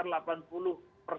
itu lemah elvira